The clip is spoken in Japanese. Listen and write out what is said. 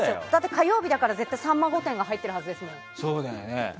火曜日だから絶対「さんま御殿！！」が入っているはずですもん。